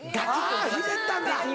あぁひねったんだ。